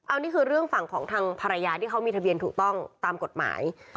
อันนี้คือเรื่องฝั่งของทางภรรยาที่เขามีทะเบียนถูกต้องตามกฎหมาย